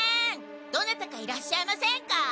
どなたかいらっしゃいませんか？